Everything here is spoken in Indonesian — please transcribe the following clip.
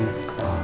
untung luar dulu ya